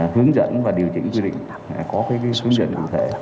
hướng dẫn và điều chỉnh quy định có cái hướng dẫn cụ thể